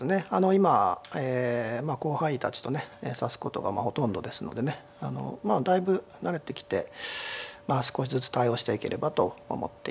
今後輩たちとね指すことがほとんどですのでねまあだいぶ慣れてきて少しずつ対応していければと思っています。